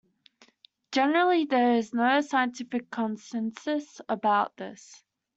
Generally, there is no scientific consensus about this.